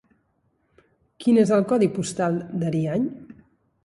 Quin és el codi postal d'Ariany?